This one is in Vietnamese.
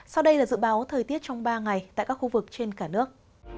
sau đây là dự báo thời tiết trong ba ngày tại các khu vực trên cả nước